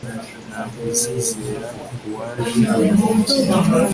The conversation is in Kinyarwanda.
Ntabwo uzizera uwaje uyu munsi